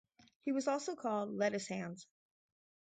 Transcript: He was also called "Lettuce Hands".